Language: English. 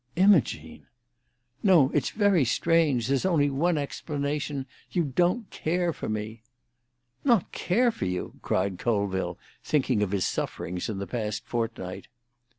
"Imogene!" "No! It's very strange. There's only one explanation. You don't care for me." "Not care for you!" cried Colville, thinking of his sufferings in the past fortnight.